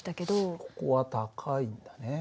ここは「高い」だね。